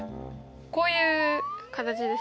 こういう形ですね。